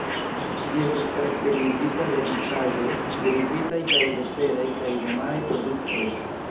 Ĝi estas karakterizita de riĉaĵoj derivitaj kaj de teraj kaj de maraj produktoj.